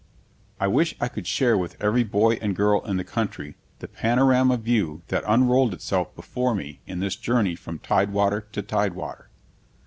I wish I could share with every boy and girl in the country the panorama view that unrolled itself before me in this journey from tidewater to tidewater.